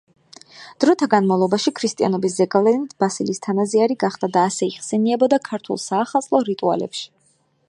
დროთა განმავლობაში ქრისტიანობის ზეგავლენით ბასილის თანაზიარი გახდა და ასე იხსენიებოდა ქართულ საახალწლო რიტუალებში.